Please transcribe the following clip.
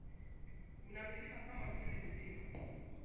kuna milima kama vile mlima meru udzugwa na Kilimanjaro